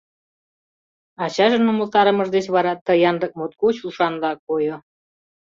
Ачажын умылтарымыж деч вара ты янлык моткоч ушанла койо.